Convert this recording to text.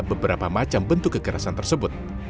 beberapa macam bentuk kekerasan tersebut